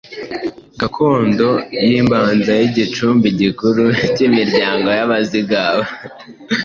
Gakondo y’imbanza y’igicumbi gikuru cy’imiryango y’Abazigaba